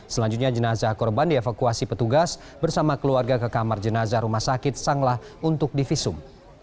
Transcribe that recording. selanjutnya jenazah korban dievakuasi petugas bersama keluarga ke kamar jenazah rumah sakit sanglah untuk divisum